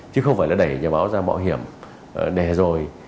chứ không phải là đẩy nhà báo ra mọi hiểm đè rồi